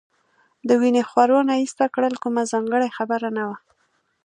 د وینې خورونه ایسته کړل، کومه ځانګړې خبره نه وه.